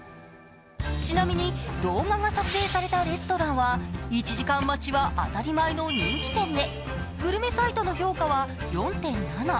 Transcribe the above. ちなみに動画が撮影されたレストランは１時間待ちは当たり前の人気店でグルメサイトの評価は４．７。